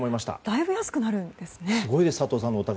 だいぶ安くなるんですね。